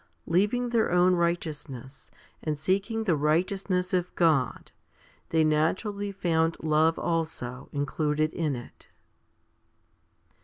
Leaving their own righteousness, and seeking the righteousness of God, they naturally found love also included in it.